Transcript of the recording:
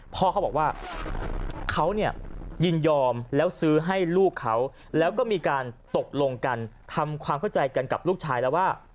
พ่อเขาบอกว่าเขาเนี่ยยินยอมแล้วซื้อให้ลูกเขาแล้วก็มีการตกลงกันทำความเข้าใจกันกับลูกชายแล้วว่า